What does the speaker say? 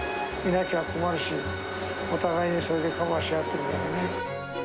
いなきゃ困るし、お互いにそれでカバーし合ってるからね。